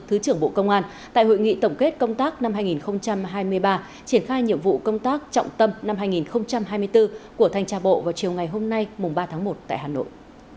thứ trưởng bộ công an tại hội nghị tổng kết công tác năm hai nghìn hai mươi ba triển khai nhiệm vụ công tác trọng tâm năm hai nghìn hai mươi bốn của thanh tra bộ vào chiều ngày hôm nay mùng ba tháng một tại hà nội